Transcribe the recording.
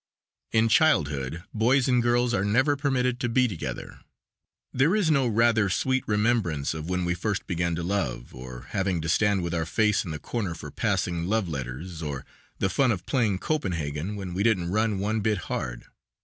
In childhood, boys and girls are never permitted to be together. There is no rather sweet remembrance of when we first began to love, or having to stand with our face in the corner for passing "love letters," or the fun of playing "Copenhagen" when we didn't run one bit hard.